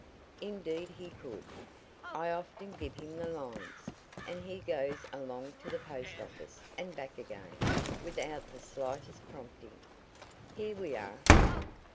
"Indeed, he could. I often give him the lines, and he goes along to the post office, and back again, without the slightest prompting. Here we are!"